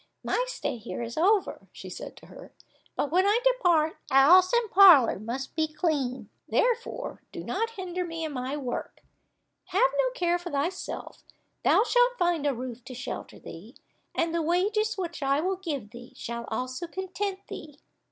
"My stay here is over," she said to her, "but when I depart, house and parlour must be clean: therefore do not hinder me in my work. Have no care for thyself, thou shalt find a roof to shelter thee, and the wages which I will give thee shall also content thee."